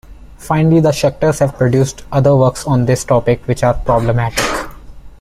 Finally, the Schecters have produced other works on this topic which are problematic.